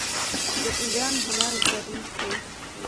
د ایران هنر ظریف دی.